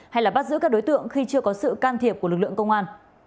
hay là bắt giữ các đối tượng khi chưa có sự can thiệp của lực lượng công an